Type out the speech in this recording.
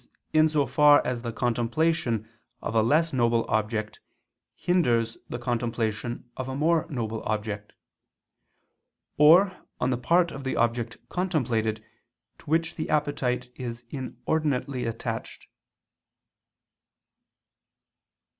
in so far as the contemplation of a less noble object hinders the contemplation of a more noble object; or on the part of the object contemplated, to which the appetite is inordinately attached.